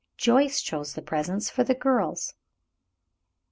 Joyce chose the presents for the girls.